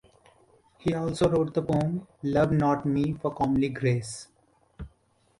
He also wrote the poem, Love not me for comely grace.